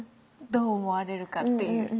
どう思われるかっていう。